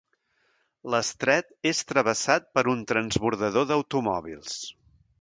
L'estret és travessat per un transbordador d'automòbils.